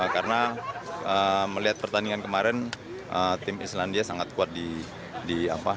karena melihat pertandingan kemarin tim islandia sangat kuat di awal